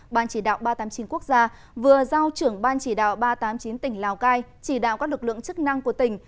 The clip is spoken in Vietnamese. ban chỉ đạo ba trăm tám mươi chín quốc gia vừa giao trưởng ban chỉ đạo ba trăm tám mươi chín tỉnh lào cai chỉ đạo các lực lượng chức năng của tỉnh